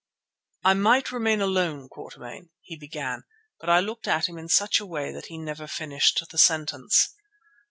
"I might remain alone, Quatermain——" he began, but I looked at him in such a way that he never finished the sentence.